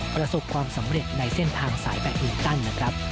ประสบความสำเร็จในเส้นทางสายแบตมินตันนะครับ